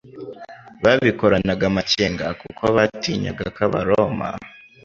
babikoranaga amakenga kuko batinyaga ko Abaroma